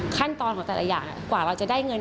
ขั้นตอนของแต่ละอย่างกว่าเราจะได้เงิน